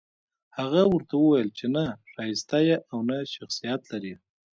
هغه ورته وويل چې نه ښايسته يې او نه شخصيت لرې.